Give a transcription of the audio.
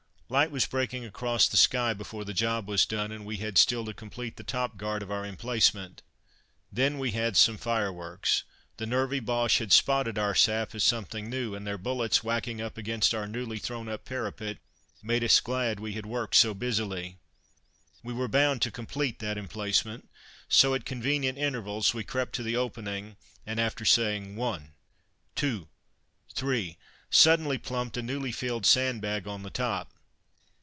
Light was breaking across the sky before the job was done, and we had still to complete the top guard of our emplacement. Then we had some fireworks. The nervy Boches had spotted our sap as something new, and their bullets, whacking up against our newly thrown up parapet, made us glad we had worked so busily. We were bound to complete that emplacement, so, at convenient intervals, we crept to the opening, and after saying "one, two, three!" suddenly plumped a newly filled sandbag on the top.